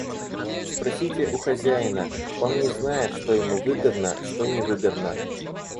Спросите у хозяина, — он не знает, что ему выгодно, что невыгодно.